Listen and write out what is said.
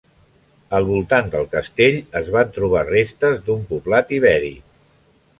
Al voltant del castell es van trobar restes d'un poblat ibèric.